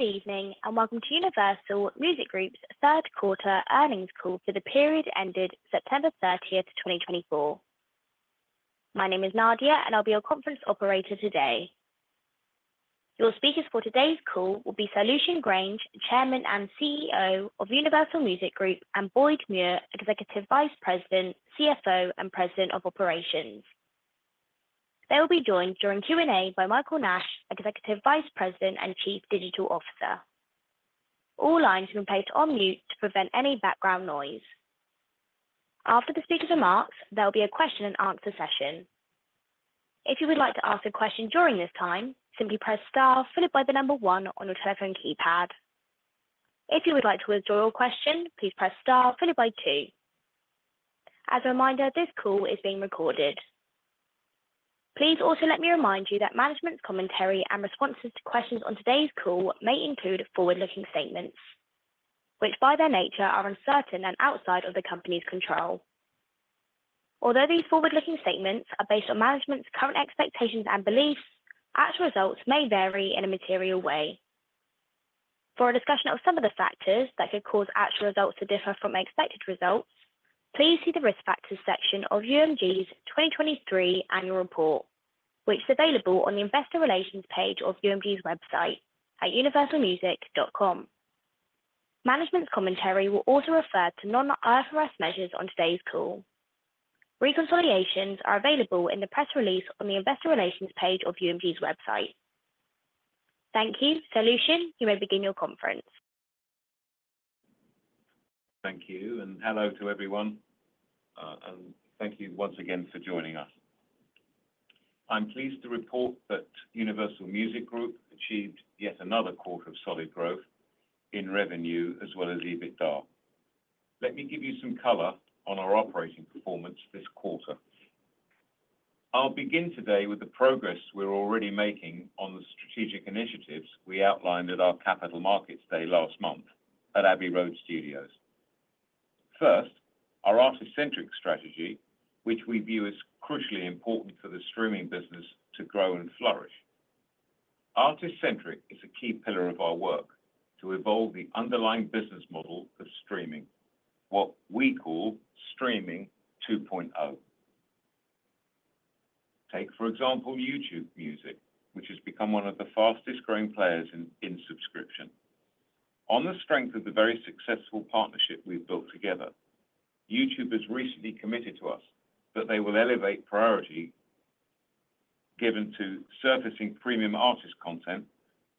Good evening and welcome to Universal Music Group's Third Quarter Earnings Call for the period ended September 30th, 2024. My name is Nadia, and I'll be your conference operator today. Your speakers for today's call will be Sir Lucian Grainge, Chairman and CEO of Universal Music Group, and Boyd Muir, Executive Vice President, CFO, and President of Operations. They will be joined during Q&A by Michael Nash, Executive Vice President and Chief Digital Officer. All lines have been placed on mute to prevent any background noise. After the speakers' remarks, there'll be a question-and-answer session. If you would like to ask a question during this time, simply press star followed by the number one on your telephone keypad. If you would like to withdraw your question, please press star followed by two. As a reminder, this call is being recorded. Please also let me remind you that management's commentary and responses to questions on today's call may include forward-looking statements, which by their nature are uncertain and outside of the company's control. Although these forward-looking statements are based on management's current expectations and beliefs, actual results may vary in a material way. For a discussion of some of the factors that could cause actual results to differ from expected results, please see the risk factors section of UMG's 2023 annual report, which is available on the Investor Relations page of UMG's website at universalmusic.com. Management's commentary will also refer to non-IFRS measures on today's call. Reconciliations are available in the press release on the Investor Relations page of UMG's website. Thank you. Sir Lucian, you may begin your conference. Thank you, and hello to everyone, and thank you once again for joining us. I'm pleased to report that Universal Music Group achieved yet another quarter of solid growth in revenue as well as EBITDA. Let me give you some color on our operating performance this quarter. I'll begin today with the progress we're already making on the strategic initiatives we outlined at our Capital Markets Day last month at Abbey Road Studios. First, our Artist-Centric strategy, which we view as crucially important for the streaming business to grow and flourish. Artist-Centric is a key pillar of our work to evolve the underlying business model of streaming, what we call Streaming 2.0. Take, for example, YouTube Music, which has become one of the fastest-growing players in subscription. On the strength of the very successful partnership we've built together, YouTube has recently committed to us that they will elevate priority given to surfacing premium artist content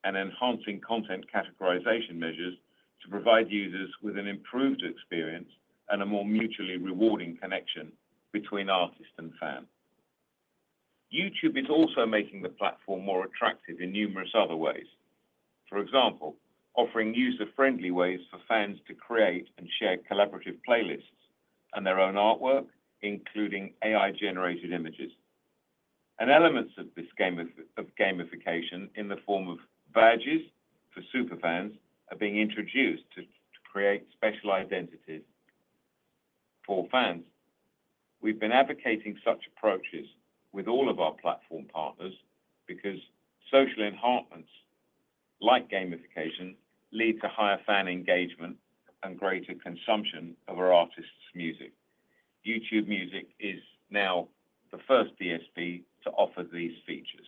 and enhancing content categorization measures to provide users with an improved experience and a more mutually rewarding connection between artist and fan. YouTube is also making the platform more attractive in numerous other ways. For example, offering user-friendly ways for fans to create and share collaborative playlists and their own artwork, including AI-generated images, and elements of this gamification in the form of badges for superfans are being introduced to create special identities for fans. We've been advocating such approaches with all of our platform partners because social enhancements like gamification lead to higher fan engagement and greater consumption of our artist's music. YouTube Music is now the first DSP to offer these features.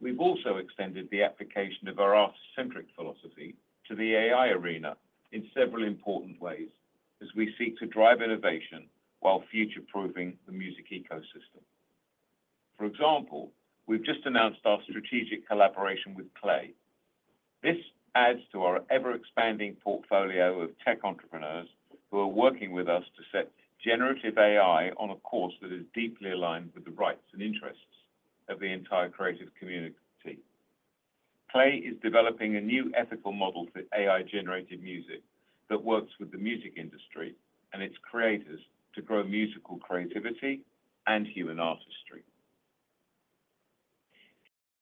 We've also extended the application of our artist-centric philosophy to the AI arena in several important ways as we seek to drive innovation while future-proofing the music ecosystem. For example, we've just announced our strategic collaboration with KLAY Vision. This adds to our ever-expanding portfolio of tech entrepreneurs who are working with us to set generative AI on a course that is deeply aligned with the rights and interests of the entire creative community. KLAY Vision is developing a new ethical model for AI-generated music that works with the music industry and its creators to grow musical creativity and human artistry.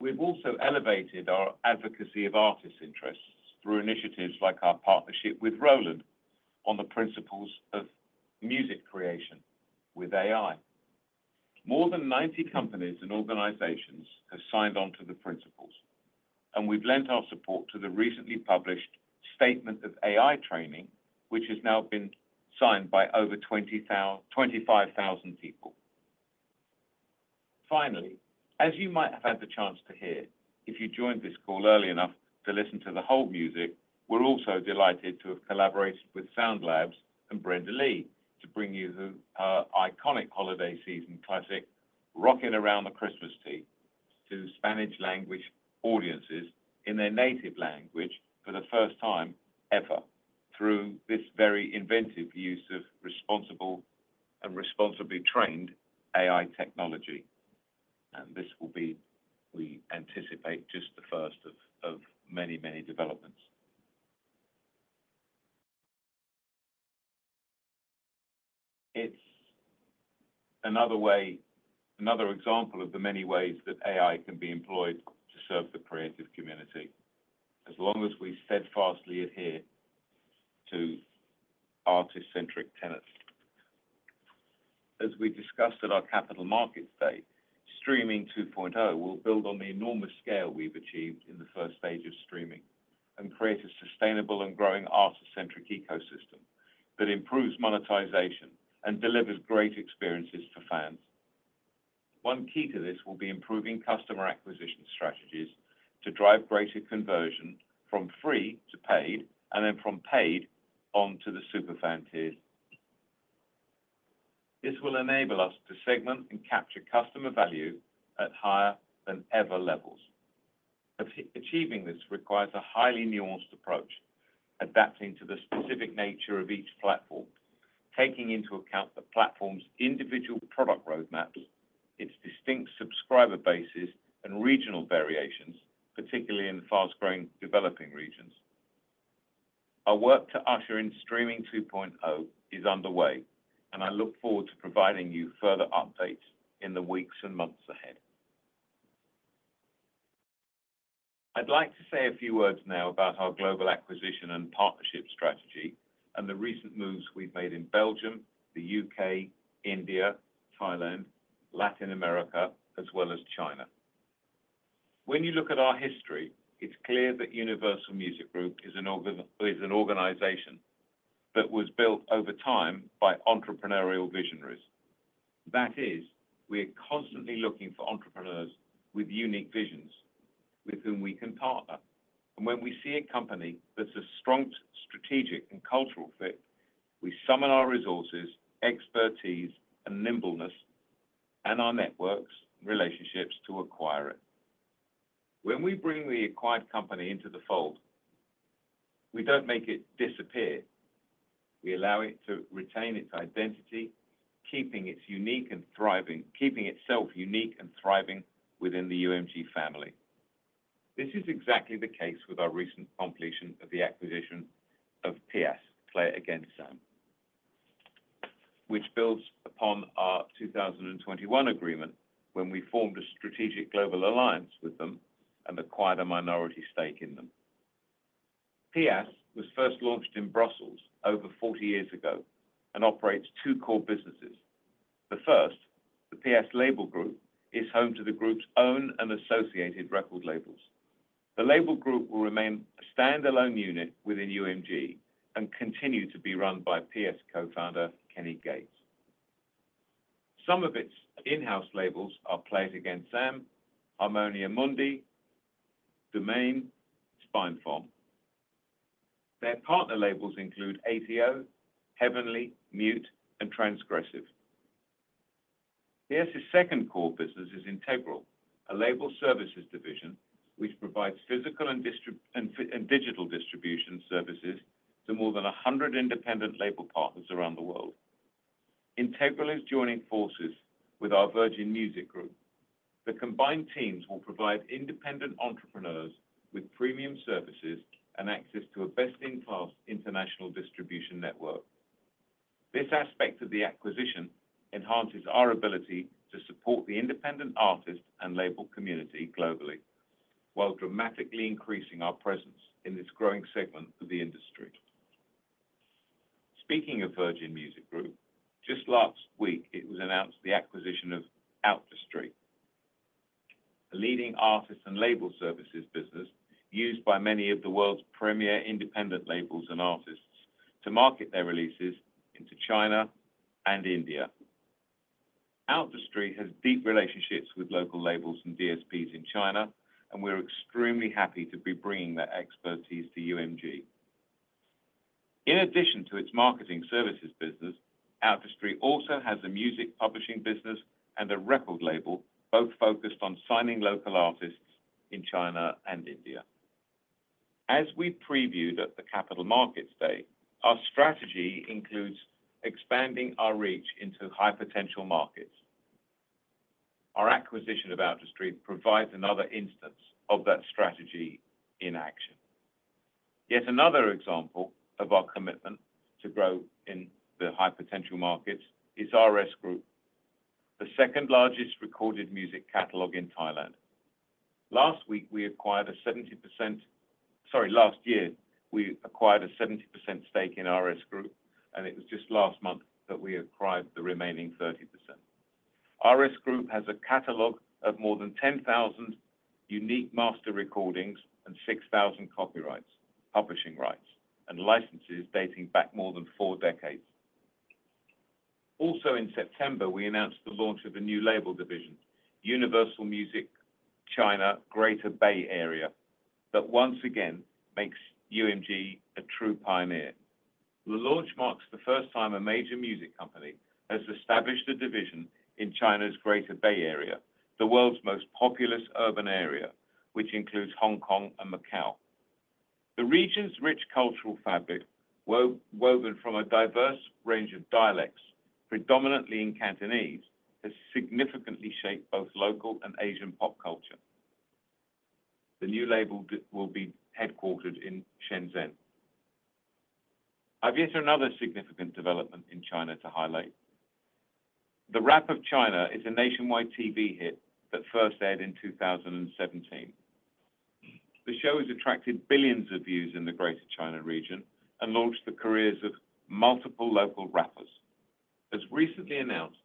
We've also elevated our advocacy of artist interests through initiatives like our partnership with Roland on the principles of music creation with AI. More than 90 companies and organizations have signed on to the principles, and we've lent our support to the recently published statement of AI training, which has now been signed by over 25,000 people. Finally, as you might have had the chance to hear, if you joined this call early enough to listen to the whole music, we're also delighted to have collaborated with SoundLabs and Brenda Lee to bring you her iconic holiday season classic, Rockin' Around the Christmas Tree, to Spanish-language audiences in their native language for the first time ever through this very inventive use of responsible and responsibly trained AI technology. And this will be, we anticipate, just the first of many, many developments. It's another way, another example of the many ways that AI can be employed to serve the creative community, as long as we steadfastly adhere to artist-centric tenets. As we discussed at our Capital Markets Day, Streaming 2.0 will build on the enormous scale we've achieved in the first stage of streaming and create a sustainable and growing artist-centric ecosystem that improves monetization and delivers great experiences for fans. One key to this will be improving customer acquisition strategies to drive greater conversion from free to paid and then from paid on to the superfan tiers. This will enable us to segment and capture customer value at higher-than-ever levels. Achieving this requires a highly nuanced approach, adapting to the specific nature of each platform, taking into account the platform's individual product roadmaps, its distinct subscriber bases, and regional variations, particularly in fast-growing developing regions. Our work to usher in Streaming 2.0 is underway, and I look forward to providing you further updates in the weeks and months ahead. I'd like to say a few words now about our global acquisition and partnership strategy and the recent moves we've made in Belgium, the U.K., India, Thailand, Latin America, as well as China. When you look at our history, it's clear that Universal Music Group is an organization that was built over time by entrepreneurial visionaries. That is, we are constantly looking for entrepreneurs with unique visions with whom we can partner. And when we see a company that's a strong strategic and cultural fit, we summon our resources, expertise, and nimbleness, and our networks and relationships to acquire it. When we bring the acquired company into the fold, we don't make it disappear. We allow it to retain its identity, keeping it unique and thriving within the UMG family. This is exactly the case with our recent completion of the acquisition of PIAS, Play It Again Sam, which builds upon our 2021 agreement when we formed a strategic global alliance with them and acquired a minority stake in them. PIAS was first launched in Brussels over 40 years ago and operates two core businesses. The first, the PIAS Label Group, is home to the group's own and associated record labels. The Label Group will remain a standalone unit within UMG and continue to be run by PIAS co-founder Kenny Gates. Some of its in-house labels are Play It Again Sam, Harmonia Mundi, Demain, and Spinefarm. Their partner labels include ATO, Heavenly, Mute, and Transgressive. PIAS's second core business is Integral, a label services division which provides physical and digital distribution services to more than 100 independent label partners around the world. Integral is joining forces with our Virgin Music Group. The combined teams will provide independent entrepreneurs with premium services and access to a best-in-class international distribution network. This aspect of the acquisition enhances our ability to support the independent artist and label community globally while dramatically increasing our presence in this growing segment of the industry. Speaking of Virgin Music Group, just last week, it was announced the acquisition of Outdustry, a leading artist and label services business used by many of the world's premier independent labels and artists to market their releases into China and India. Outdustry has deep relationships with local labels and DSPs in China, and we're extremely happy to be bringing that expertise to UMG. In addition to its marketing services business, Outdustry also has a music publishing business and a record label both focused on signing local artists in China and India. As we previewed at the Capital Markets Day, our strategy includes expanding our reach into high-potential markets. Our acquisition of Outdustry provides another instance of that strategy in action. Yet another example of our commitment to grow in the high-potential markets is RS Group, the second largest recorded music catalog in Thailand. Last week, we acquired a 70% sorry, last year, we acquired a 70% stake in RS Group, and it was just last month that we acquired the remaining 30%. RS Group has a catalog of more than 10,000 unique master recordings and 6,000 copyrights, publishing rights, and licenses dating back more than four decades. Also, in September, we announced the launch of a new label division, Universal Music China Greater Bay Area, that once again makes UMG a true pioneer. The launch marks the first time a major music company has established a division in China's Greater Bay Area, the world's most populous urban area, which includes Hong Kong and Macau. The region's rich cultural fabric, woven from a diverse range of dialects, predominantly in Cantonese, has significantly shaped both local and Asian pop culture. The new label will be headquartered in Shenzhen. I've yet another significant development in China to highlight. The Rap of China is a nationwide TV hit that first aired in 2017. The show has attracted billions of views in the Greater China region and launched the careers of multiple local rappers. As recently announced,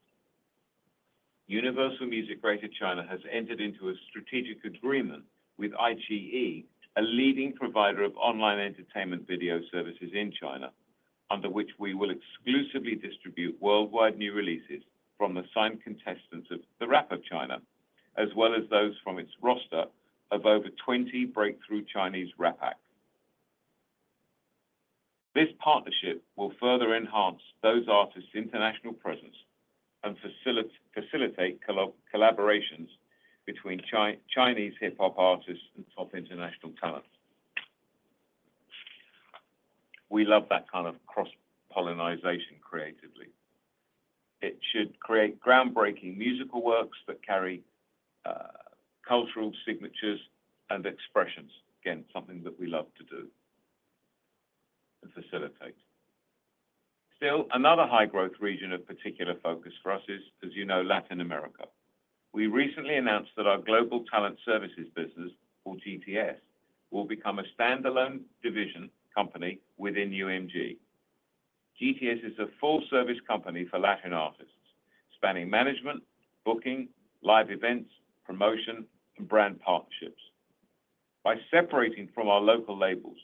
Universal Music Greater China has entered into a strategic agreement with iQIYI, a leading provider of online entertainment video services in China, under which we will exclusively distribute worldwide new releases from the signed contestants of The Rap of China, as well as those from its roster of over 20 breakthrough Chinese rap acts. This partnership will further enhance those artists' international presence and facilitate collaborations between Chinese hip-hop artists and top international talents. We love that kind of cross-pollination creatively. It should create groundbreaking musical works that carry cultural signatures and expressions. Again, something that we love to do and facilitate. Still, another high-growth region of particular focus for us is, as you know, Latin America. We recently announced that our Global Talent Services Business, or GTS, will become a standalone division company within UMG. GTS is a full-service company for Latin artists, spanning management, booking, live events, promotion, and brand partnerships. By separating from our local labels,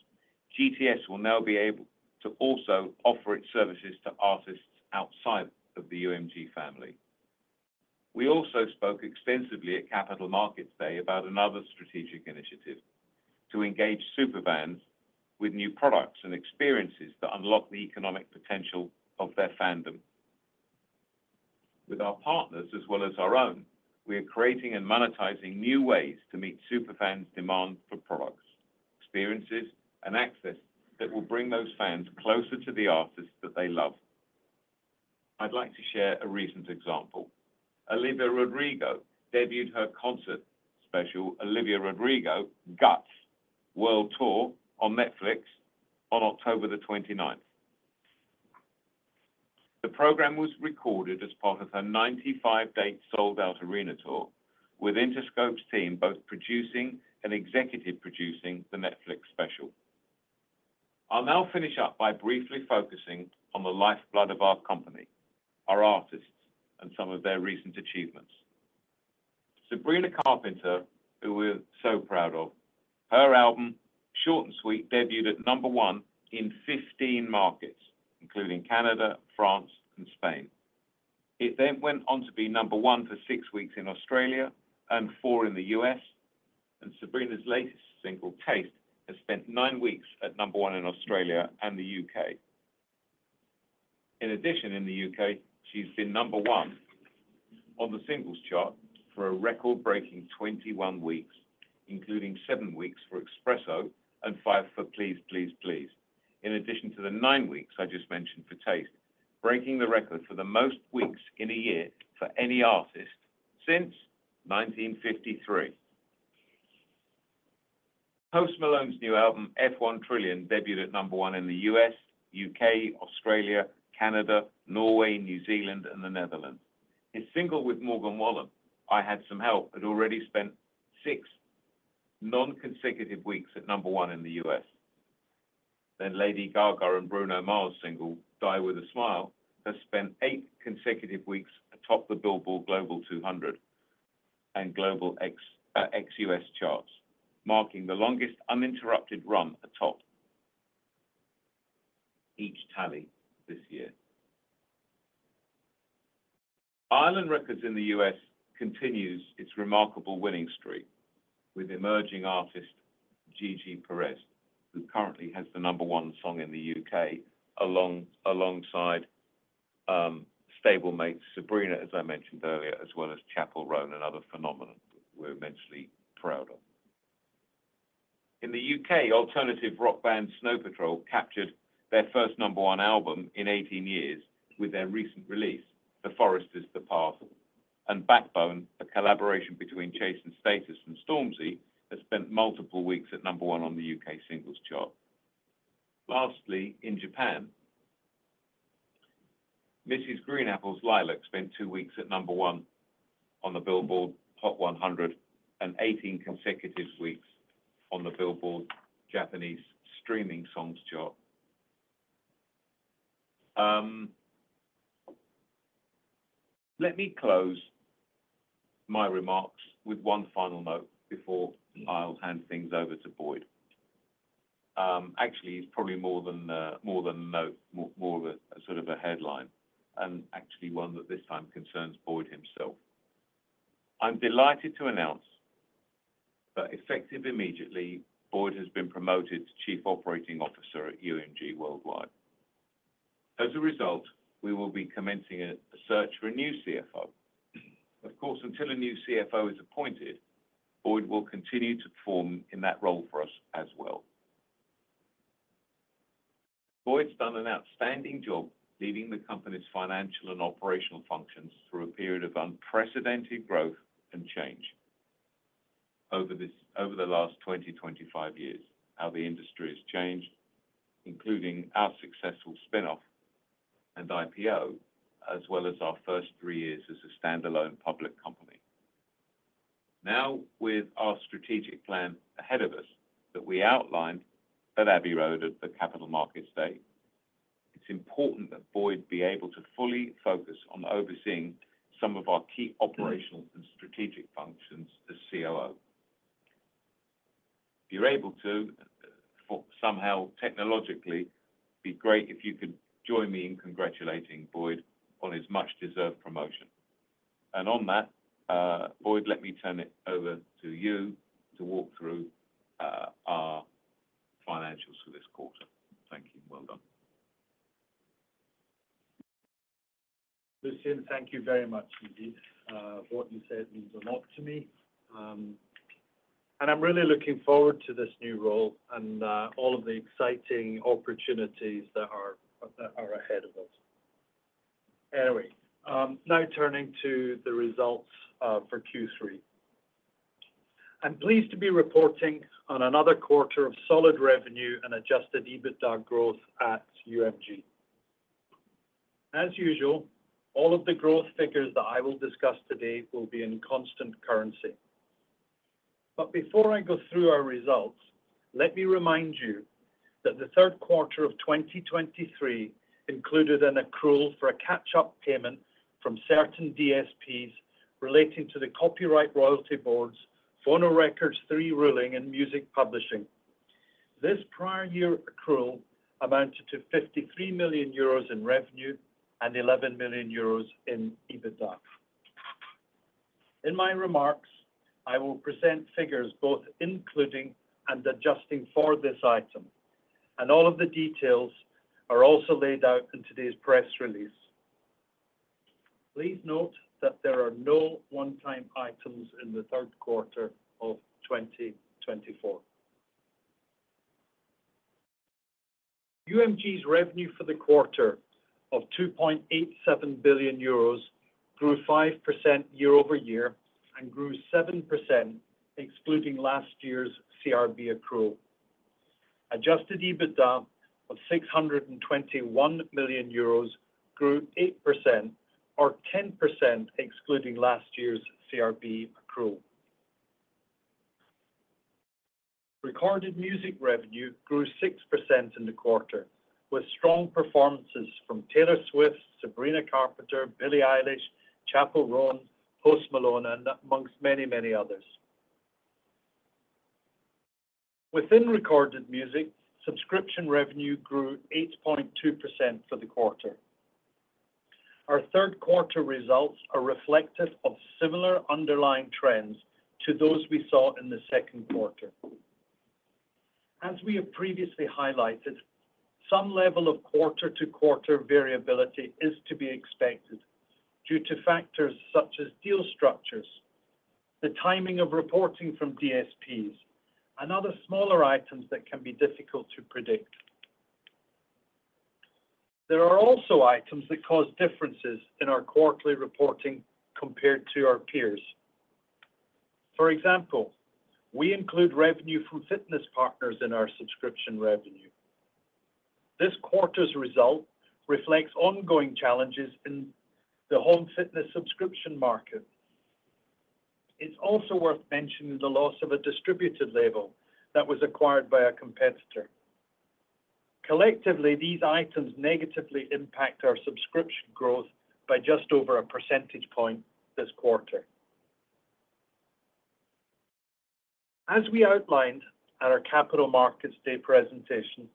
GTS will now be able to also offer its services to artists outside of the UMG family. We also spoke extensively at Capital Markets Day about another strategic initiative to engage superfans with new products and experiences that unlock the economic potential of their fandom. With our partners, as well as our own, we are creating and monetizing new ways to meet superfans' demand for products, experiences, and access that will bring those fans closer to the artists that they love. I'd like to share a recent example. Olivia Rodrigo debuted her concert special, Olivia Rodrigo GUTS World Tour, on Netflix on October the 29th. The program was recorded as part of her 95-day sold-out arena tour, with Interscope's team both producing and executive producing the Netflix special. I'll now finish up by briefly focusing on the lifeblood of our company, our artists, and some of their recent achievements. Sabrina Carpenter, who we're so proud of, her album, Short n' Sweet, debuted at number one in 15 markets, including Canada, France, and Spain. It then went on to be number one for six weeks in Australia and four in the U.S., and Sabrina's latest single, Taste, has spent nine weeks at number one in Australia and the U.K. In addition, in the U.K., she's been number one on the singles chart for a record-breaking 21 weeks, including seven weeks for Espresso and five for Please, Please, Please, in addition to the nine weeks I just mentioned for Taste, breaking the record for the most weeks in a year for any artist since 1953. Post Malone's new album, F-1 Trillion, debuted at number one in the U.S., U.K., Australia, Canada, Norway, New Zealand, and the Netherlands. His single with Morgan Wallen, I Had Some Help, had already spent six non-consecutive weeks at number one in the U.S. Then Lady Gaga and Bruno Mars' single Die With A Smile has spent eight consecutive weeks atop the Billboard Global 200 and Global Excl. U.S. charts, marking the longest uninterrupted run atop each tally this year. Island Records in the U.S. continues its remarkable winning streak with emerging artist Gigi Perez, who currently has the number one song in the U.K. alongside stablemates Sabrina, as I mentioned earlier, as well as Chappell Roan and other phenomena we're immensely proud of. In the U.K., alternative rock band Snow Patrol captured their first number one album in 18 years with their recent release, The Forest is The Path, and Backbone, a collaboration between Chase & Status and Stormzy, has spent multiple weeks at number one on the U.K. singles chart. Lastly, in Japan, Mrs. GREEN APPLE's Lilac spent two weeks at number one on the Billboard Hot 100 and 18 consecutive weeks on the Billboard Japanese streaming songs chart. Let me close my remarks with one final note before I'll hand things over to Boyd. Actually, it's probably more than a note, more of a sort of a headline, and actually one that this time concerns Boyd himself. I'm delighted to announce that effective immediately, Boyd has been promoted to Chief Operating Officer at UMG Worldwide. As a result, we will be commencing a search for a new CFO. Of course, until a new CFO is appointed, Boyd will continue to perform in that role for us as well. Boyd's done an outstanding job leading the company's financial and operational functions through a period of unprecedented growth and change over the last 20-25 years, how the industry has changed, including our successful spinoff and IPO, as well as our first three years as a standalone public company. Now, with our strategic plan ahead of us that we outlined at Abbey Road at the Capital Markets Day, it's important that Boyd be able to fully focus on overseeing some of our key operational and strategic functions as COO. If you're able to somehow technologically, it'd be great if you could join me in congratulating Boyd on his much-deserved promotion. And on that, Boyd, let me turn it over to you to walk through our financials for this quarter. Thank you. Well done. Lucian, thank you very much. What you said means a lot to me. And I'm really looking forward to this new role and all of the exciting opportunities that are ahead of us. Anyway, now turning to the results for Q3. I'm pleased to be reporting on another quarter of solid revenue and Adjusted EBITDA growth at UMG. As usual, all of the growth figures that I will discuss today will be in constant currency, but before I go through our results, let me remind you that the third quarter of 2023 included an accrual for a catch-up payment from certain DSPs relating to the Copyright Royalty Board, Phonorecords III ruling, and music publishing. This prior year accrual amounted to 53 million euros in revenue and 11 million euros in EBITDA. In my remarks, I will present figures both including and adjusting for this item, and all of the details are also laid out in today's press release. Please note that there are no one-time items in the third quarter of 2024. UMG's revenue for the quarter of 2.87 billion euros grew 5% year-over-year and grew 7% excluding last year's CRB accrual. Adjusted EBITDA of 621 million euros grew 8% or 10% excluding last year's CRB accrual. Recorded music revenue grew 6% in the quarter, with strong performances from Taylor Swift, Sabrina Carpenter, Billie Eilish, Chappell Roan, Post Malone, and amongst many, many others. Within recorded music, subscription revenue grew 8.2% for the quarter. Our third quarter results are reflective of similar underlying trends to those we saw in the second quarter. As we have previously highlighted, some level of quarter-to-quarter variability is to be expected due to factors such as deal structures, the timing of reporting from DSPs, and other smaller items that can be difficult to predict. There are also items that cause differences in our quarterly reporting compared to our peers. For example, we include revenue from fitness partners in our subscription revenue. This quarter's result reflects ongoing challenges in the home fitness subscription market. It's also worth mentioning the loss of a distributed label that was acquired by a competitor. Collectively, these items negatively impact our subscription growth by just over a percentage point this quarter. As we outlined at our Capital Markets Day presentation,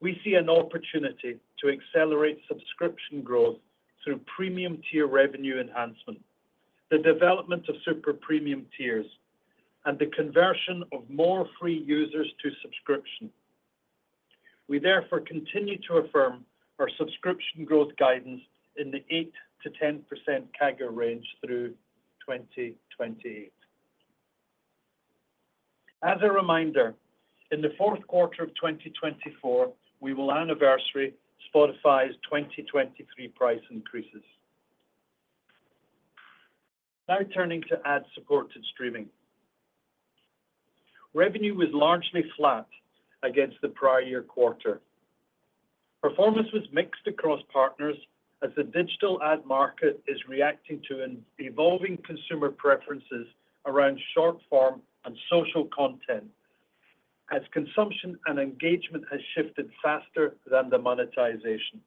we see an opportunity to accelerate subscription growth through premium tier revenue enhancement, the development of super premium tiers, and the conversion of more free users to subscription. We therefore continue to affirm our subscription growth guidance in the 8%-10% CAGR range through 2028. As a reminder, in the fourth quarter of 2024, we will anniversary Spotify's 2023 price increases. Now turning to ad-supported streaming. Revenue was largely flat against the prior year quarter. Performance was mixed across partners as the digital ad market is reacting to evolving consumer preferences around short form and social content, as consumption and engagement have shifted faster than the monetization.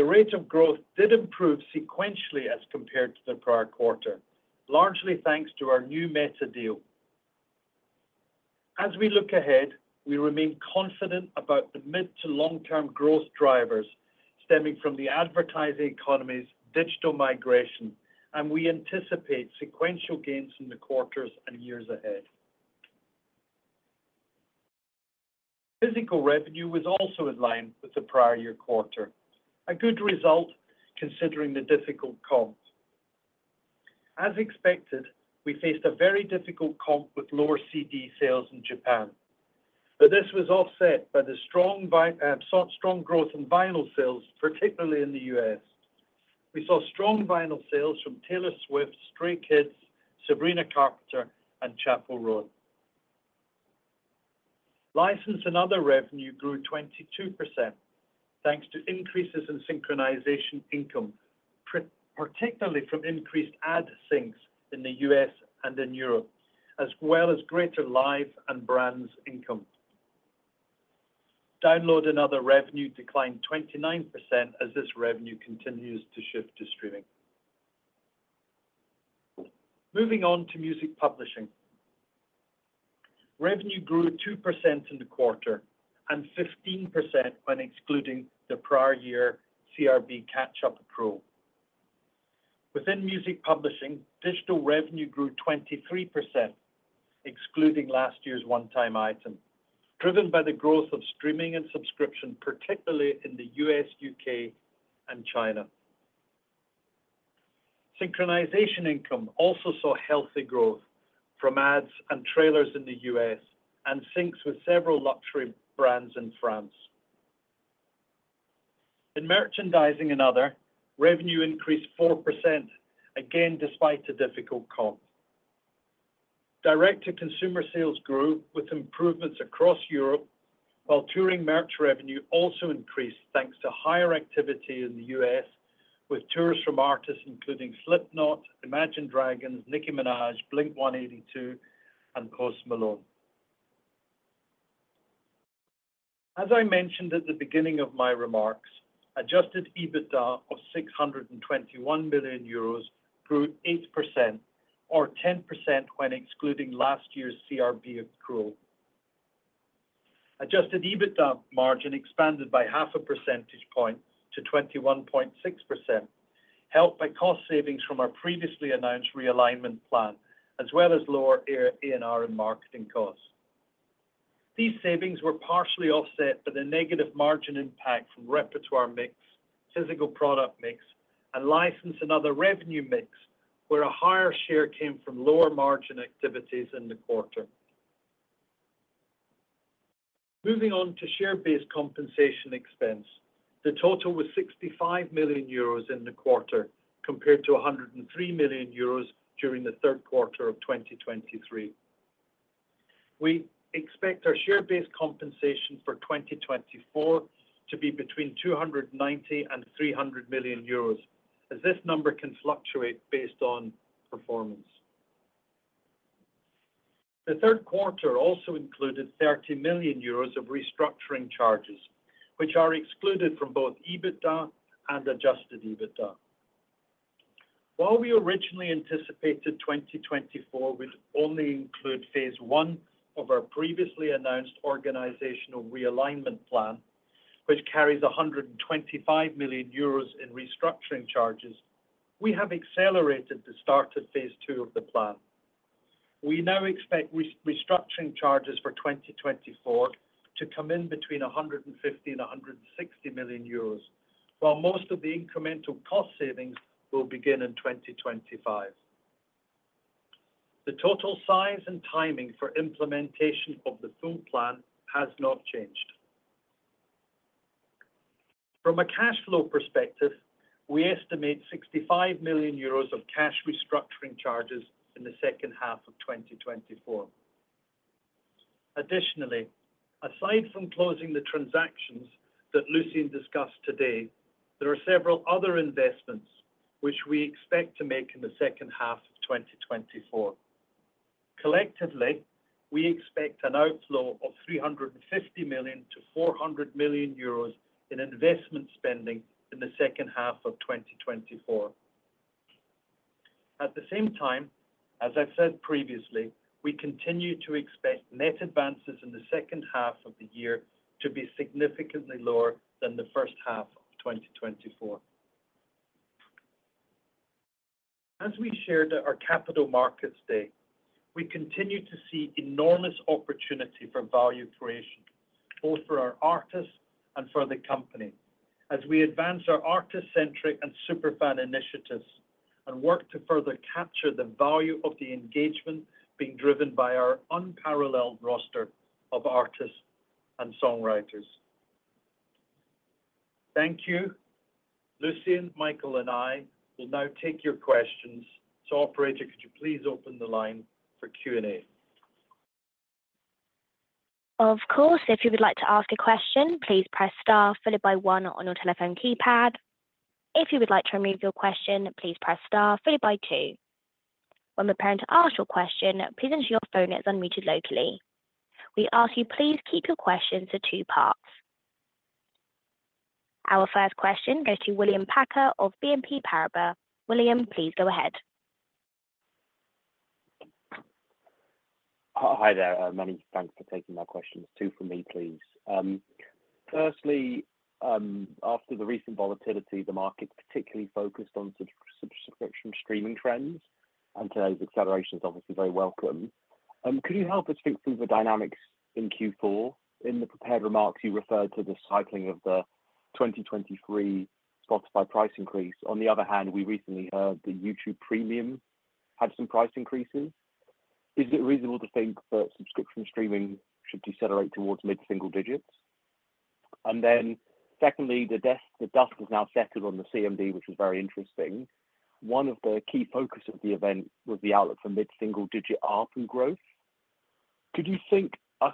The rate of growth did improve sequentially as compared to the prior quarter, largely thanks to our new Meta deal. As we look ahead, we remain confident about the mid to long-term growth drivers stemming from the advertising economy's digital migration, and we anticipate sequential gains in the quarters and years ahead. Physical revenue was also in line with the prior year quarter, a good result considering the difficult comp. As expected, we faced a very difficult comp with lower CD sales in Japan. But this was offset by the strong growth in vinyl sales, particularly in the U.S. We saw strong vinyl sales from Taylor Swift, Stray Kids, Sabrina Carpenter, and Chappell Roan. License and other revenue grew 22% thanks to increases in synchronization income, particularly from increased ad syncs in the U.S. and in Europe, as well as greater live and brands income. Download and other revenue declined 29% as this revenue continues to shift to streaming. Moving on to music publishing. Revenue grew 2% in the quarter and 15% when excluding the prior year CRB catch-up accrual. Within music publishing, digital revenue grew 23%, excluding last year's one-time item, driven by the growth of streaming and subscription, particularly in the U.S., U.K., and China. Synchronization income also saw healthy growth from ads and trailers in the U.S. and syncs with several luxury brands in France. In merchandising and other, revenue increased 4%, again despite a difficult comp. Direct-to-consumer sales grew with improvements across Europe, while touring merch revenue also increased thanks to higher activity in the U.S. with tours from artists, including Slipknot, Imagine Dragons, Nicki Minaj, Blink-182, and Post Malone. As I mentioned at the beginning of my remarks, Adjusted EBITDA of 621 million euros grew 8% or 10% when excluding last year's CRB accrual. Adjusted EBITDA margin expanded by half a percentage point to 21.6%, helped by cost savings from our previously announced realignment plan, as well as lower A&R and marketing costs. These savings were partially offset by the negative margin impact from repertoire mix, physical product mix, and license and other revenue mix, where a higher share came from lower margin activities in the quarter. Moving on to share-based compensation expense, the total was €65 million in the quarter compared to 103 million euros during the third quarter of 2023. We expect our share-based compensation for 2024 to be between 290 and 300 million euros, as this number can fluctuate based on performance. The third quarter also included 30 million euros of restructuring charges, which are excluded from both EBITDA and adjusted EBITDA. While we originally anticipated 2024 would only include phase one of our previously announced organizational realignment plan, which carries 125 million euros in restructuring charges, we have accelerated the start of phase two of the plan. We now expect restructuring charges for 2024 to come in between 150 million and 160 million euros, while most of the incremental cost savings will begin in 2025. The total size and timing for implementation of the full plan has not changed. From a cash flow perspective, we estimate 65 million euros of cash restructuring charges in the second half of 2024. Additionally, aside from closing the transactions that Lucian discussed today, there are several other investments which we expect to make in the second half of 2024. Collectively, we expect an outflow of 350-400 million euros in investment spending in the second half of 2024. At the same time, as I've said previously, we continue to expect net advances in the second half of the year to be significantly lower than the first half of 2024. As we shared at our Capital Markets Day, we continue to see enormous opportunity for value creation, both for our artists and for the company, as we advance our artist-centric and superfan initiatives and work to further capture the value of the engagement being driven by our unparalleled roster of artists and songwriters. Thank you. Lucian, Michael, and I will now take your questions. So, Operator, could you please open the line for Q&A? Of course. If you would like to ask a question, please press star followed by one on your telephone keypad. If you would like to remove your question, please press star followed by two. When we're preparing to ask your question, please ensure your phone is unmuted locally. We ask you please keep your questions to two parts. Our first question goes to William Packer of BNP Paribas. William, please go ahead. Hi there. Many thanks for taking my questions. Two from me, please. Firstly, after the recent volatility, the market's particularly focused on subscription streaming trends, and today's acceleration is obviously very welcome. Could you help us think through the dynamics in Q4? In the prepared remarks, you referred to the cycling of the 2023 Spotify price increase. On the other hand, we recently heard that YouTube Premium had some price increases. Is it reasonable to think that subscription streaming should decelerate towards mid-single digits? Then secondly, the dust has now settled on the CMD, which was very interesting. One of the key focuses of the event was the outlook for mid-single digit ARPU growth. Could you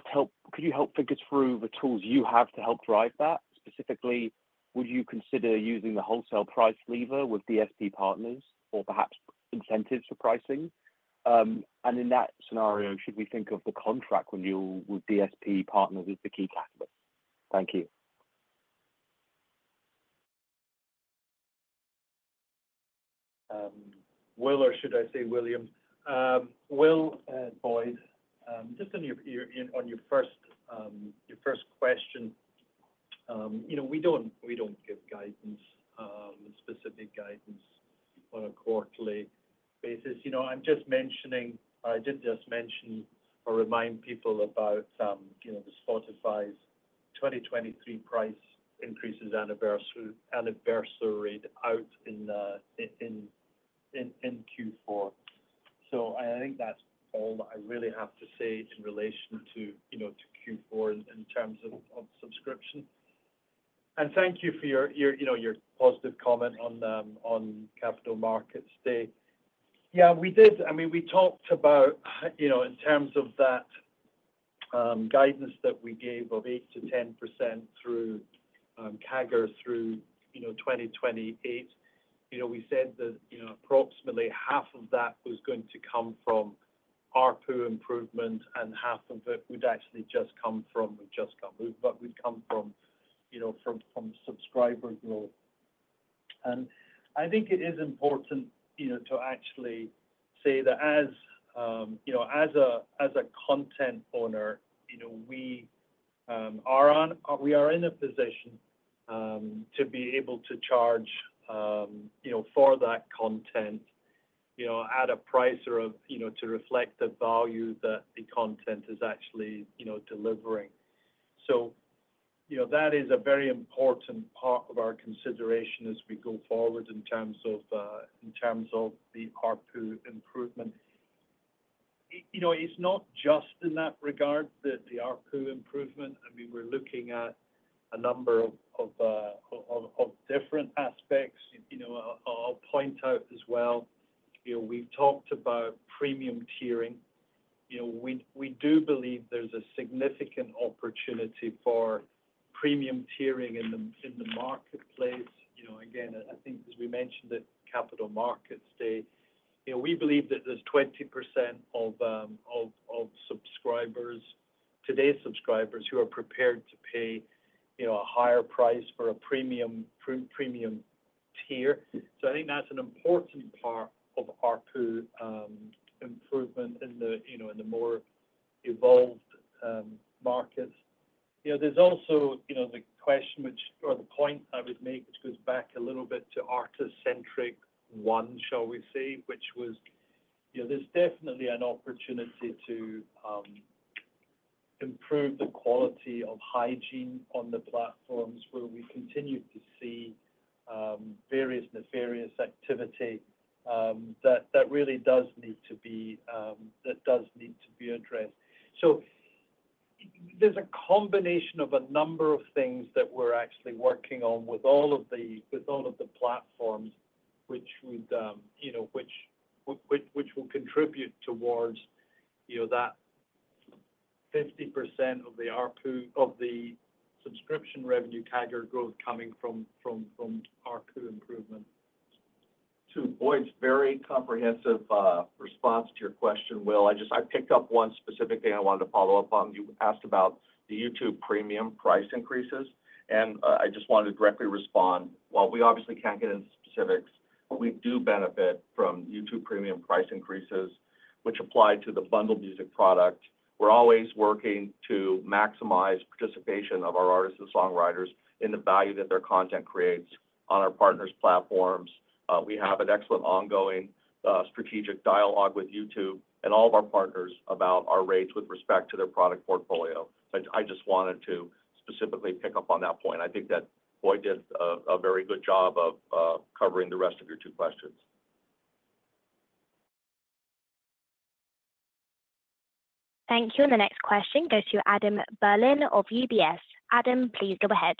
help walk through the tools you have to help drive that? Specifically, would you consider using the wholesale price lever with DSP partners or perhaps incentives for pricing? And in that scenario, should we think of the contract renewal with DSP partners as the key catalyst? Thank you. Will, or should I say William? Will and Boyd, just on your first question, we don't give guidance, specific guidance on a quarterly basis. I'm just mentioning I did just mention or remind people about the Spotify's 2023 price increases anniversary out in Q4. So I think that's all I really have to say in relation to Q4 in terms of subscription. And thank you for your positive comment on Capital Markets Day. Yeah, we did. I mean, we talked about in terms of that guidance that we gave of 8%-10% CAGR through 2028. We said that approximately half of that was going to come from ARPU improvement, and half of it would actually just come from we've just gone moved, but we've come from subscriber growth. And I think it is important to actually say that as a content owner, we are in a position to be able to charge for that content at a price to reflect the value that the content is actually delivering. So that is a very important part of our consideration as we go forward in terms of the ARPU improvement. It's not just in that regard, the ARPU improvement. I mean, we're looking at a number of different aspects. I'll point out as well, we've talked about premium tiering. We do believe there's a significant opportunity for premium tiering in the marketplace. Again, I think, as we mentioned at Capital Markets Day, we believe that there's 20% of today's subscribers who are prepared to pay a higher price for a premium tier. So I think that's an important part of ARPU improvement in the more evolved markets. There's also the question or the point I would make, which goes back a little bit to artist-centric one, shall we say, which was there's definitely an opportunity to improve the quality of hygiene on the platforms where we continue to see various nefarious activity that really does need to be addressed. There's a combination of a number of things that we're actually working on with all of the platforms, which will contribute towards that 50% of the ARPU of the subscription revenue CAGR growth coming from ARPU improvement. To Boyd's very comprehensive response to your question, Will, I picked up one specific thing I wanted to follow up on. You asked about the YouTube Premium price increases, and I just wanted to directly respond. While we obviously can't get into specifics, we do benefit from YouTube Premium price increases, which apply to the bundled music product. We're always working to maximize participation of our artists and songwriters in the value that their content creates on our partners' platforms. We have an excellent ongoing strategic dialogue with YouTube and all of our partners about our rates with respect to their product portfolio. I just wanted to specifically pick up on that point. I think that Boyd did a very good job of covering the rest of your two questions. Thank you. And the next question goes to Adam Berlin of UBS. Adam, please go ahead.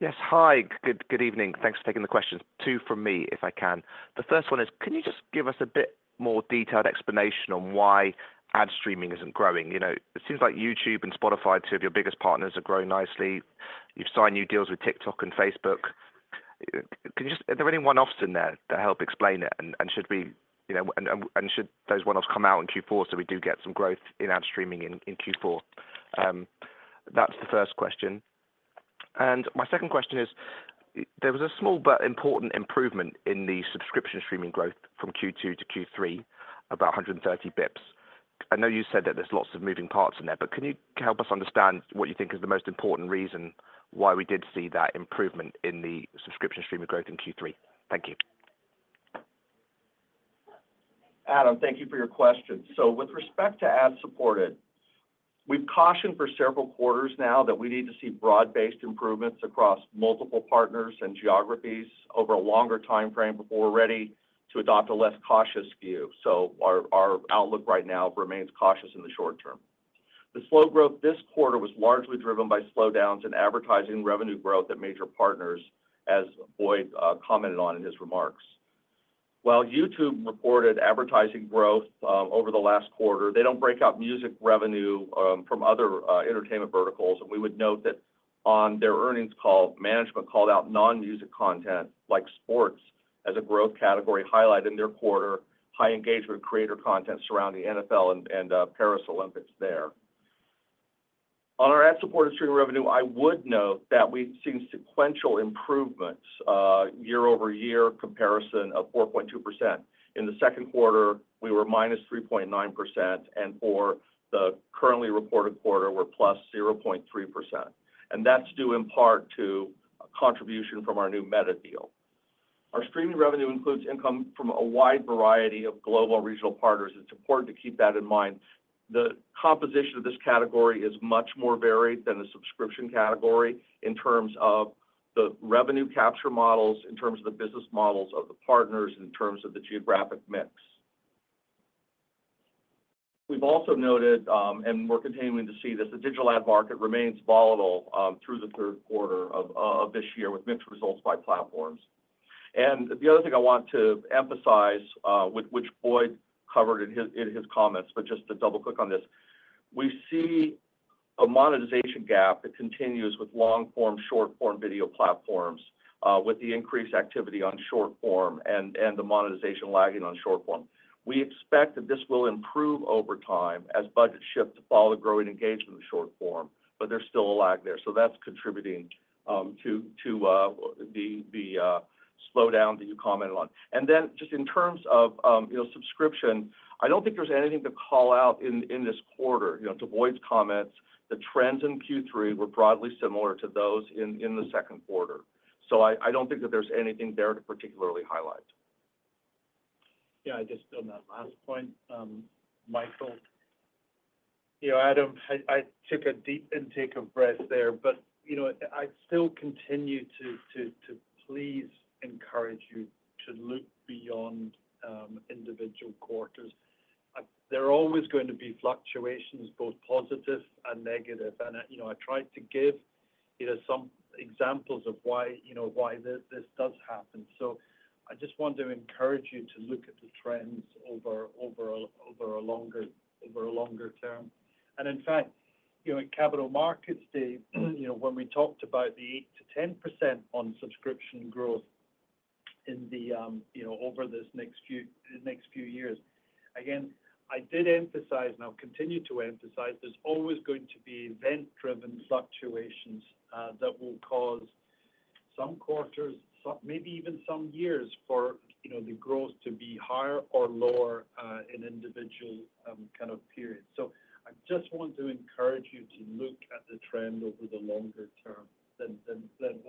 Yes. Hi. Good evening. Thanks for taking the questions. Two from me, if I can. The first one is, can you just give us a bit more detailed explanation on why ad streaming isn't growing? It seems like YouTube and Spotify, two of your biggest partners, are growing nicely. You've signed new deals with TikTok and Facebook. Are there any one-offs in there that help explain it? And should those one-offs come out in Q4 so we do get some growth in ad streaming in Q4? That's the first question. My second question is, there was a small but important improvement in the subscription streaming growth from Q2 to Q3, about 130 basis points. I know you said that there's lots of moving parts in there, but can you help us understand what you think is the most important reason why we did see that improvement in the subscription streaming growth in Q3? Thank you. Adam, thank you for your question. So with respect to ad supported, we've cautioned for several quarters now that we need to see broad-based improvements across multiple partners and geographies over a longer timeframe before we're ready to adopt a less cautious view. So our outlook right now remains cautious in the short term. The slow growth this quarter was largely driven by slowdowns in advertising revenue growth at major partners, as Boyd commented on in his remarks. While YouTube reported advertising growth over the last quarter, they don't break out music revenue from other entertainment verticals, and we would note that on their earnings call, management called out non-music content like sports as a growth category highlighted in their quarter, high engagement creator content surrounding NFL and Paris Olympics there. On our ad-supported streaming revenue, I would note that we've seen sequential improvements, year-over-year comparison of 4.2%. In the second quarter, we were minus 3.9%, and for the currently reported quarter, we're +0.3%, and that's due in part to contribution from our new Meta deal. Our streaming revenue includes income from a wide variety of global and regional partners. It's important to keep that in mind. The composition of this category is much more varied than the subscription category in terms of the revenue capture models, in terms of the business models of the partners, and in terms of the geographic mix. We've also noted, and we're continuing to see this, the digital ad market remains volatile through the third quarter of this year with mixed results by platforms, and the other thing I want to emphasize, which Boyd covered in his comments, but just to double-click on this, we see a monetization gap that continues with long-form, short-form video platforms, with the increased activity on short-form and the monetization lagging on short-form. We expect that this will improve over time as budgets shift to follow the growing engagement in the short-form, but there's still a lag there, so that's contributing to the slowdown that you commented on. And then just in terms of subscription, I don't think there's anything to call out in this quarter. To Boyd's comments, the trends in Q3 were broadly similar to those in the second quarter. So I don't think that there's anything there to particularly highlight. Yeah. Just on that last point, Michael, Adam, I took a deep intake of breath there, but I still continue to please encourage you to look beyond individual quarters. There are always going to be fluctuations, both positive and negative. And I tried to give some examples of why this does happen. So I just want to encourage you to look at the trends over a longer term. In fact, at Capital Markets Day, when we talked about the 8%-10% on subscription growth over this next few years, again, I did emphasize, and I'll continue to emphasize, there's always going to be event-driven fluctuations that will cause some quarters, maybe even some years, for the growth to be higher or lower in individual kind of periods. So I just want to encourage you to look at the trend over the longer term than